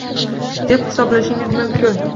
Deb hisoblashingiz mumkin